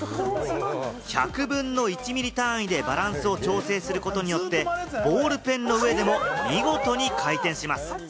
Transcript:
１００分の１ミリ単位でバランスを調整することによって、ボールペンの上でも見事に回転します。